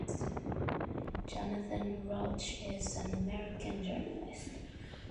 Jonathan Rauch is an American journalist.